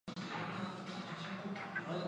黄花镇是下辖的一个乡镇级行政单位。